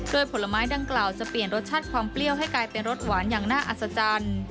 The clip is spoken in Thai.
โดยผลไม้ดังกล่าวจะเปลี่ยนรสชาติความเปรี้ยวให้กลายเป็นรสหวานอย่างน่าอัศจรรย์